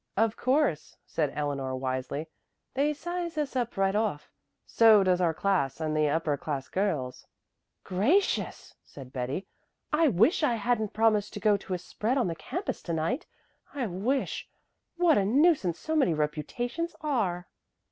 "Of course," said Eleanor wisely. "They size us up right off. So does our class, and the upper class girls." "Gracious!" said Betty. "I wish I hadn't promised to go to a spread on the campus to night. I wish What a nuisance so many reputations are!"